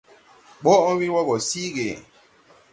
Ɓɔʼn we wɔ gɔ siigi.